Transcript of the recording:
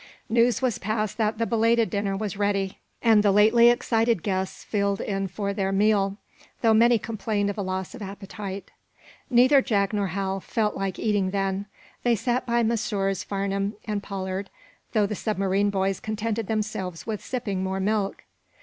News was passed that the belated dinner was ready, and the lately excited guests filed in for their meal, though many complained of a loss of appetite. Neither Jack nor Hal felt like eating then. They sat by Messrs. Farnum and Pollard, though the submarine boys contented themselves with sipping more milk.